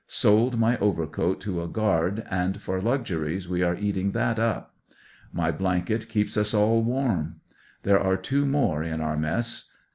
Sold my overcoat to a guard, and for luxiries we are eating that up. My blanket keeps us all warm. There are two more in our mess.